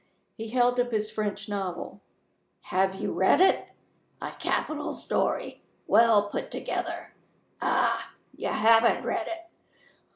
He held up his French novel. "Have you read it? A capital story well put together. Ah, you haven't read it?